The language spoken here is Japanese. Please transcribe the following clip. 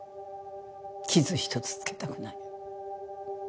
傷一つ付けたくない。